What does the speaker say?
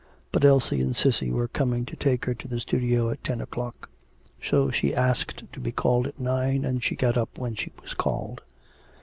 But Elsie and Cissy were coming to take her to the studio at ten o'clock. So she asked to be called at nine, and she got up when she was called.